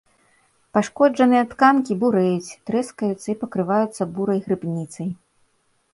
Пашкоджаныя тканкі бурэюць, трэскаюцца і пакрываюцца бурай грыбніцай.